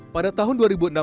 pada tahun dua ribu enam belas